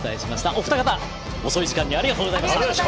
お二方、遅い時間にありがとうございました。